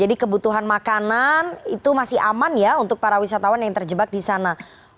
jadi kebutuhan makanan itu masih aman ya untuk para wisatawan yang terjebak di sana